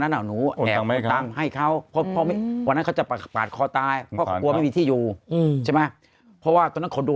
มันนะหนูทำให้เขาเพราะว่าไม่ที่อยู่ใช่ไหมเพราะว่าตัว